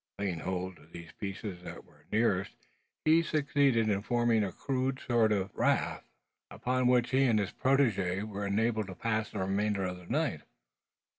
Laying hold on those pieces that were nearest, he succeeded in forming a rude sort of raft, upon which he and his protege were enabled to pass the remainder of the night.